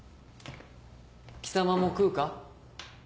貴様も食うか？